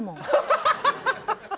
ハハハハハ。